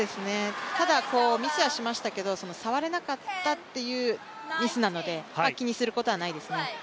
ただ、ミスはしましたけど触れなかったっていうミスなので気にすることはないですね。